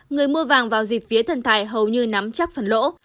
người mua vàng vào dịp vía thần tài hầu như nắm chắc phần lỗ